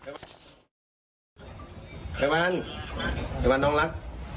ภัยวัลภัยวัลน้องรัก